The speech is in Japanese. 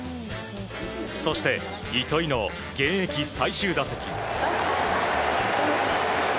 そして、糸井の現役最終打席。